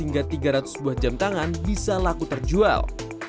sekitar dua ratus hingga tiga ratus buat jam tangan bisa laku terjual